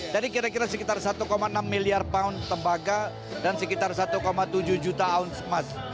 jadi kira kira sekitar satu enam miliar pound tembaga dan sekitar satu tujuh juta ounce mas